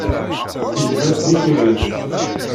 Ijba-d di tiɣilt.